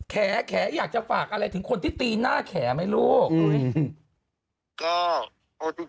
แขอยากจะฝากอะไรถึงคนที่ตีหน้าแขไหมลูก